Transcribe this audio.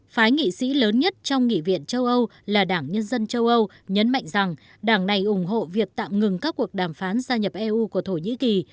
phái nghị sĩ lớn nhất trong nghị viện châu âu là đảng nhân dân châu âu nhấn mạnh rằng đảng này ủng hộ việc tạm ngừng các cuộc đàm phán gia nhập eu của thổ nhĩ kỳ